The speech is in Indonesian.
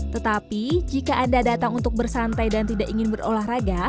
tetapi jika anda datang untuk bersantai dan tidak ingin berolahraga